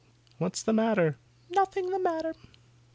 "What's the matter?" "Nothing the matter."